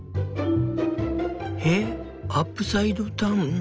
えっアップサイドダウン？